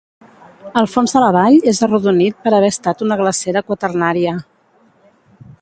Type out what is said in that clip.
El fons de la vall és arrodonit per haver estat una glacera quaternària.